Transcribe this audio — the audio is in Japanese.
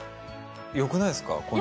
よくないですか、ここ？